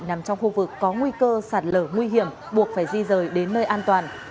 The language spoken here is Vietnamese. nằm trong khu vực có nguy cơ sạt lở nguy hiểm buộc phải di rời đến nơi an toàn